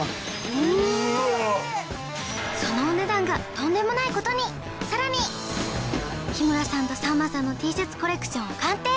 うわっそのお値段がとんでもないことにさらに木村さんとさんまさんのＴシャツコレクションを鑑定